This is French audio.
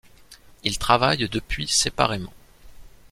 Ils travaillent depuis séparément.